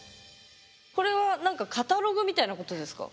これはカタログみたいなことですか？